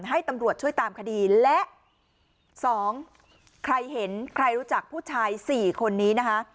ให้ตำรวจช่วยตามคดีและสองใครเห็นใครรู้จักผู้ชาย๔คนนี้นะคะ